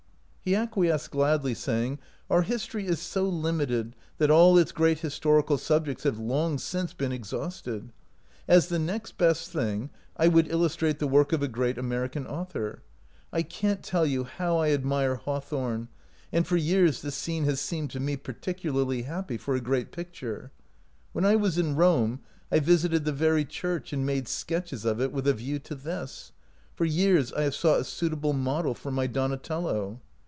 He acquiesced gladly, saying, " Our his tory is so limited that all its great historical subjects have long since been exhausted. As the next best thing, I would illustrate the work of a great American author. I can't tell you how I admire Hawthorne, and for years this scene has seemed to me particularly happy for a great picture. When I was in Rome I visited the very church and made sketches of it with a view to this. For years I have sought a suit able model for my Donatello."